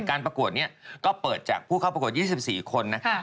ประกวดนี้ก็เปิดจากผู้เข้าประกวด๒๔คนนะ